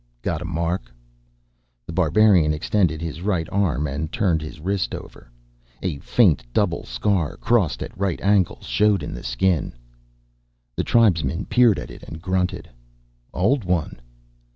Got a mark?" The Barbarian extended his right arm and turned his wrist over. A faint double scar, crossed at right angles, showed in the skin. The tribesman peered at it and grunted. "Old one."